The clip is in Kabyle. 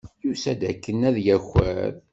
Yusa-d akken ad yaker.